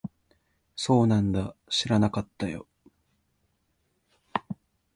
そうなんだ。知らなかったよ。